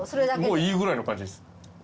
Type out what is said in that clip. もういいぐらいの感じです。